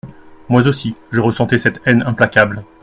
Moi aussi, je ressentais cette haine implacable.